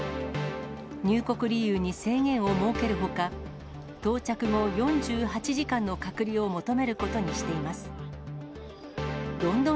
入国理由に制限を設けるほか、到着後４８時間の隔離を求めることにしています。